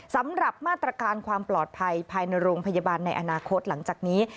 สำหรับมาตรการความปลอดภัยภายในโรงพยาบาลในอนาคตหลังจากนี้